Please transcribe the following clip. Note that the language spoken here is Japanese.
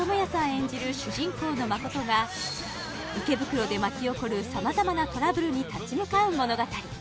演じる主人公の誠が池袋で巻き起こる様々なトラブルに立ち向かう物語